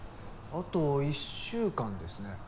あと１週間ですね。